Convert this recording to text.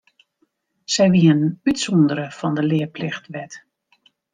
Sy wienen útsûndere fan de learplichtwet.